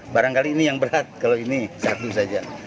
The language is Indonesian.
barangkali ini yang berat kalau ini satu saja